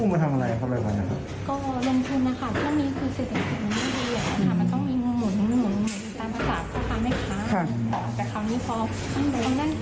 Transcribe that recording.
ก็เลยกลายเป็นว่าเราจะนับ